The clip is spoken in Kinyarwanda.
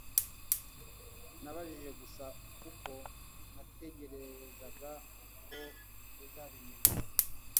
Nabajije gusa kuko natekerezaga ko uzabimenya